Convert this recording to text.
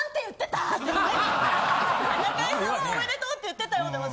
「中居さんはおめでとうって言ってたよ」。